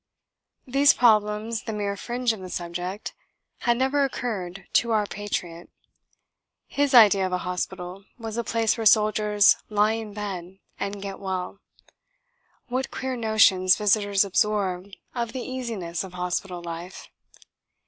These problems, the mere fringe of the subject, had never occurred to our patriot. His idea of a hospital was a place where soldiers lie in bed and get well. (What queer notions visitors absorb of the easiness of hospital life!)